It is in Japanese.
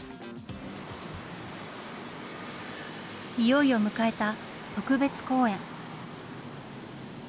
いよいよ迎えた特別公演。